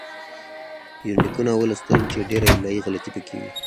يونليکونه ولوستل چې ډېره املايي غلطي پکې وې